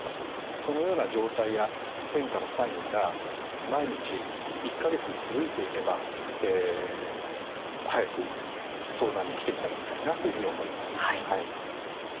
そのような状態や変化のサインが毎日・１か月も続いていれば早く相談に来ていただきたいなというふうに思います。